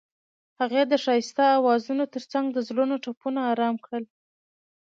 هغې د ښایسته اوازونو ترڅنګ د زړونو ټپونه آرام کړل.